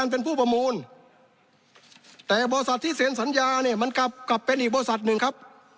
เป็นผู้ประมูลแต่บริษัทที่เซ็นสัญญาเนี่ยมันกลับกลับเป็นอีกบริษัทหนึ่งครับ